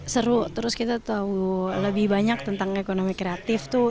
seru terus kita tahu lebih banyak tentang ekonomi kreatif tuh